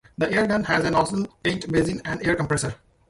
The air gun has a nozzle, paint basin, and air compressor.